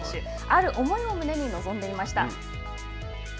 ある思いを胸に臨んでいました。